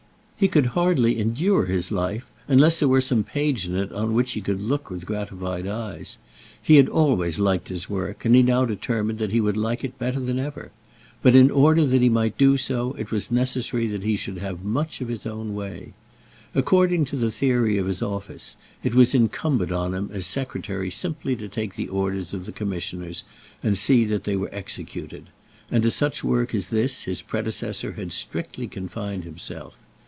He could hardly endure his life unless there were some page in it on which he could look with gratified eyes. He had always liked his work, and he now determined that he would like it better than ever. But in order that he might do so it was necessary that he should have much of his own way. According to the theory of his office, it was incumbent on him as Secretary simply to take the orders of the Commissioners, and see that they were executed; and to such work as this his predecessor had strictly confined himself.